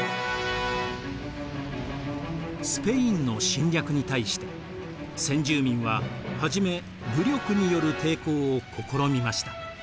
スペインの侵略に対して先住民は初め武力による抵抗を試みました。